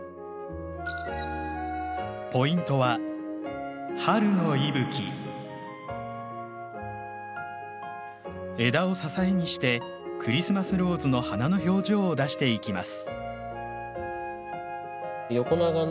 ポイントは枝を支えにしてクリスマスローズの花の表情を出していきます。